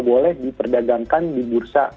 boleh diperdagangkan di bursa